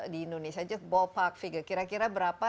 di indonesia saja bopak figa kira kira berapa